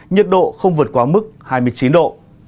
nhiệt độ không vượt quá mức hai mươi chín độ